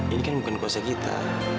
ini kan bukan kosa kita